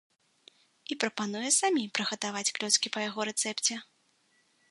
І прапануе самім прыгатаваць клёцкі па яго рэцэпце.